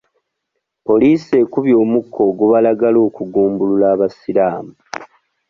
Poliisi ekubye omukka ogubalagala okugumbulula abasiraamu.